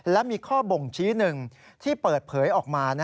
และมีข้อบ่งชี้หนึ่งที่เปิดเผยออกมา